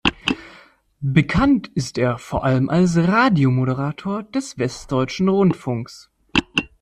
Bekannt ist er vor allem als Radiomoderator des Westdeutschen Rundfunks.